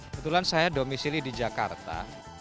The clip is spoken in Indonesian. kebetulan saya domisili di jakarta